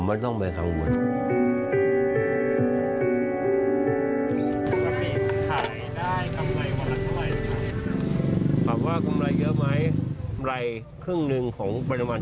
กำไรครึ่งหนึ่งของปราณณวรรภาพสวรรค์